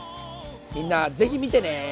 みんな是非見てね。